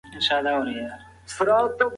د شاه محمود پاچاهي درې کاله وه.